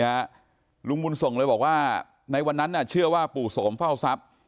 ลุงบุญส่งเลยบอกว่าในวันนั้นน่ะเชื่อว่าปู่โสมเฝ้าทรัพย์